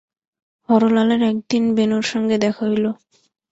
হরলালের একদিন বেণুর সঙ্গে দেখা হইল।